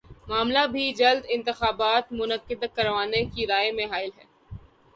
معاملہ بھی جلد انتخابات منعقد کرانے کی راہ میں حائل ہے